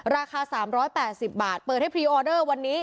ราคาสามร้อยแปดสิบบาทเปิดให้พรีออเดอร์วันนี้